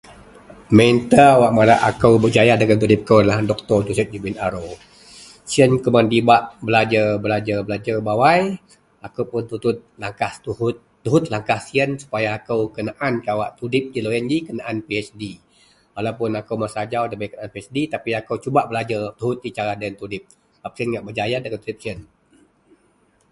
mentor wak madak akou bejaya dagen tudip kou ienlah, dr joseph bin aro sien kuman dibak belajer-belajer, belajer bawai, akou pun tut langkah tuhut, tuhut langkah sien supaya akou kenan kawak tudip ji loyien ji kenaan PHD, walaupun akou masa ajau debei kenan PHD tapi akou cubak belajar tuhut ji cara deloyien tudip, sebab siyen ngak berjaya dagen tudip sien